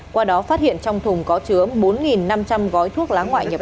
qua đó phát hiện trong thùng có chứa bốn năm trăm linh gói thuốc lá ngoại nhập lậu